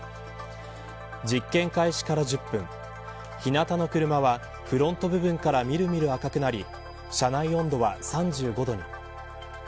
実験開始から１０分日なたの車はフロント部分からみるみる赤くなり車内温度は３５度に。